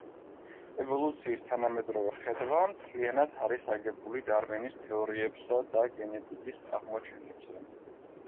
ევოლუციის თანამედროვე ხედვა მთლიანად არის აგებული დარვინის თეორიებსა და გენეტიკის აღმოჩენებზე.